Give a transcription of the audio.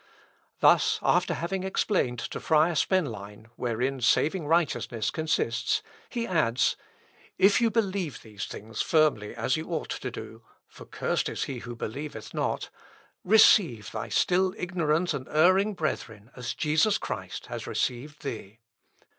Thus, after having explained to friar Spenlein wherein saving righteousness consists, he adds "If you believe these things firmly as you ought to do, (for cursed is he who believeth not,) receive thy still ignorant and erring brethren as Jesus Christ has received thee.